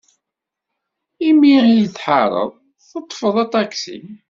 Imi ay tḥareḍ, teḍḍfeḍ aṭaksi.